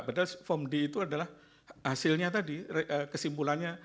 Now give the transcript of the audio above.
padahal fom d itu adalah hasilnya tadi kesimpulannya